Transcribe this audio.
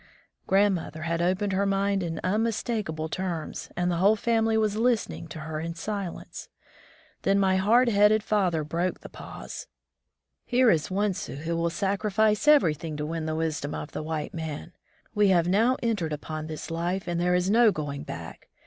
*' Grandmother had opened her mind in unmistakable terms, and the whole family was listening to her in silence. Then my hard headed father broke the pause. "Here is one Sioux who will sacrifice everything to win the wisdom of the white man ! We have now entered upon this life, and there is no going back.